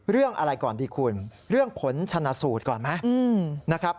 เรื่องอะไรก่อนดีคุณเรื่องผลชนะสูตรก่อนไหมนะครับ